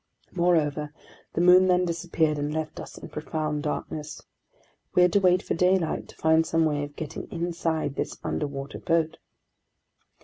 Moreover, the moon then disappeared and left us in profound darkness. We had to wait for daylight to find some way of getting inside this underwater boat.